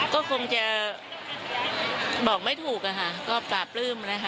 ก็คงจะบอกไม่ถูกก็ปลาปลื้มอะไรฮะ